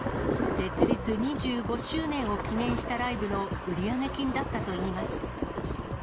設立２５周年を記念したライブの売上金だったといいます。